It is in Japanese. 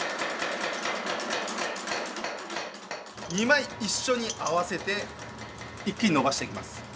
２枚一緒に合わせて一気に伸ばしていきます。